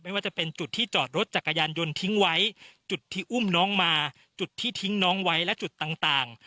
ว่าจะเป็นจุดที่จอดรถจักรยานยนต์ทิ้งไว้จุดที่อุ้มน้องมาจุดที่ทิ้งน้องไว้และจุดต่าง